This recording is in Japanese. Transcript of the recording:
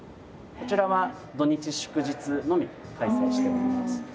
こちらは土日祝日のみ開催しております。